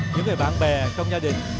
những bạn bè trong gia đình